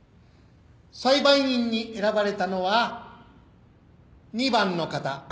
裁判員に選ばれたのは２番の方。